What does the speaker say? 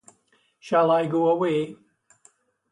Shall I go away?